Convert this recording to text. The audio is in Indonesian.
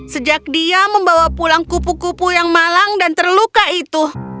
sejak dia membawa pulang kupu kupu yang malang dan terluka itu